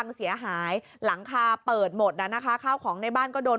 เสียหายหลังคาเปิดหมดน่ะนะคะข้าวของในบ้านก็โดน